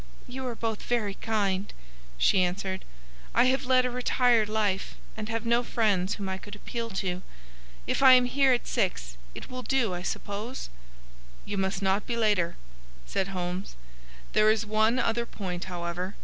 "You are both very kind," she answered. "I have led a retired life, and have no friends whom I could appeal to. If I am here at six it will do, I suppose?" "You must not be later," said Holmes. "There is one other point, however.